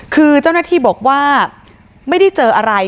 คือเจ้าหน้าที่บอกว่าไม่ได้เจออะไร